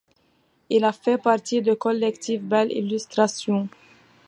Il a fait partie du collectif Belles Illustrations.